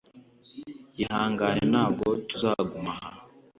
Ihangane ntabwo tuzagum’ aha